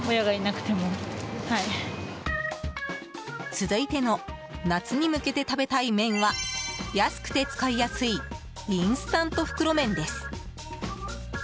続いての夏に向けて食べたい麺は安くて使いやすいインスタント袋麺です。